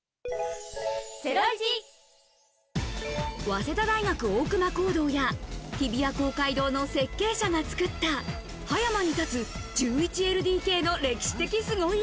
早稲田大学大隈講堂や日比谷公会堂の設計者がつくった、葉山に建つ１１ＬＤＫの歴史的凄家。